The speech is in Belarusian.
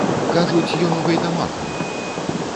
Кажуць, ён у гайдамакаў!